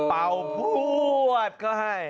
เป่าพวดก็ให้